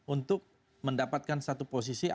untuk mendapatkan satu posisi